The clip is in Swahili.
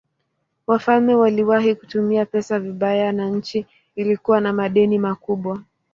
Wafalme waliwahi kutumia pesa vibaya na nchi ilikuwa na madeni makubwa.